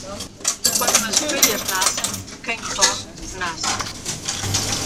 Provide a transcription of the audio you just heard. Quando as ovelhas nascem, quem come, nasce.